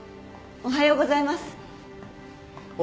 おはようございます。